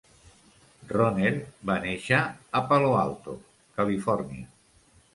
Rohner va néixer a Palo Alto, California.